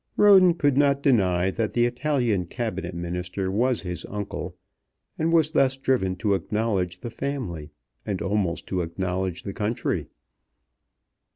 Roden could not deny that the Italian Cabinet Minister was his uncle, and was thus driven to acknowledge the family, and almost to acknowledge the country.